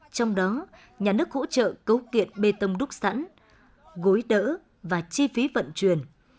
trong đó nhà nước hỗ trợ cấu kiện bê tông đúc sẵn gối đỡ và chi phí vận chuyển